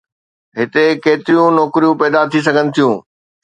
هتي ڪيتريون نوڪريون پيدا ٿي سگهن ٿيون؟